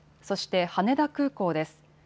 そして羽田空港です。